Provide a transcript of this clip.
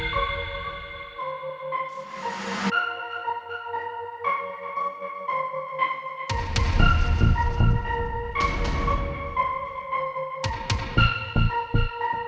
kau mau ke tempat itu